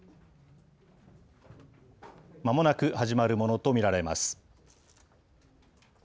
まもなく始まるものと見られます。